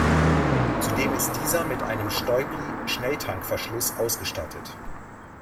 Zudem ist dieser mit einem Stäubli-Schnelltankverschluss ausgestattet.